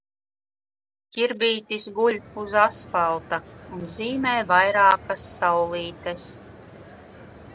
Ķirbītis guļ uz asfalta un zīmē vairākas saulītes.